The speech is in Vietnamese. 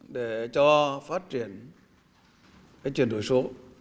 để cho phát triển cái chuyển đổi số